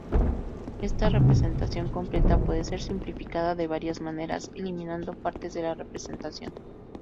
Esta representación completa puede ser simplificada de varias maneras, eliminando partes de la representación.